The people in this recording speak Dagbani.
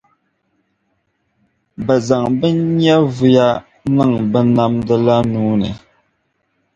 bɛ zaŋ bɛ nyɛviya niŋ bɛ Namda la nuu ni.